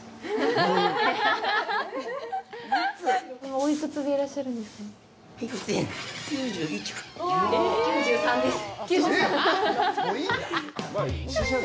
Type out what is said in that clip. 今、お幾つでいらっしゃるんですか？